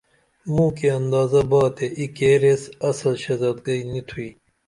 موکی اندازہ با تے ای کیر ایس اصل شہزادگئی نی تھوئی